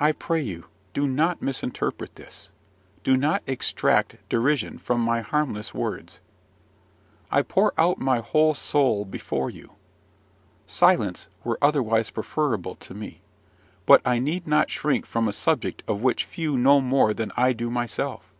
I pray you, do not misinterpret this. Do not extract derision from my harmless words. I pour out my whole soul before you. Silence were otherwise preferable to me, but I need not shrink from a subject of which few know more than I do myself.